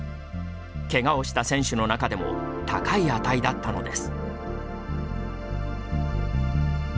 けがをした選手の中でも高い値だったのです。